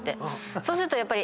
そうするとやっぱり。